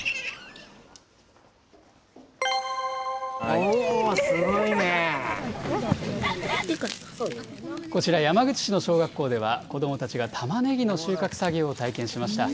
おお、こちら、山口市の小学校では、子どもたちがタマネギの収穫作業を体験しました。